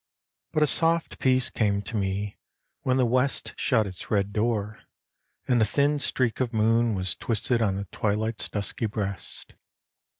But a soft peace came to me when the West Shut its red door and a thin streak of moon Was twisted on the twilight's dusky breast.